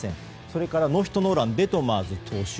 それから、ノーヒットノーランのデトマーズ投手。